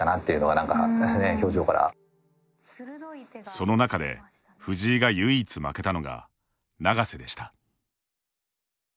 その中で藤井が唯一負けたのが永瀬でした。